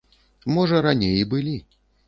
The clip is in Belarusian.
Можа, раней і былі.